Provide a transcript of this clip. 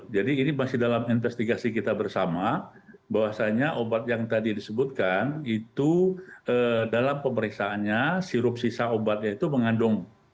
jadi ini masih dalam investigasi kita bersama bahwasanya obat yang tadi disebutkan itu dalam pemeriksaannya sirup sisa obatnya itu mengandung